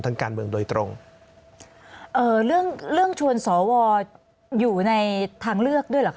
ทางการเมืองโดยตรงเอ่อเรื่องเรื่องชวนสอวออยู่ในทางเลือกด้วยเหรอค